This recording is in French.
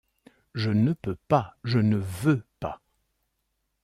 Je ne peux pas… je ne veux pas !…